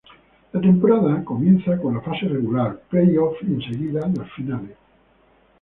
La temporada comienza con la fase regular, play off, y enseguida las finales.